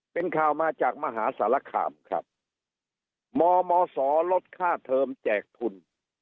เป็นข่าวมาจากมหาสารคามครับมมศลดค่าเทอมแจกทุน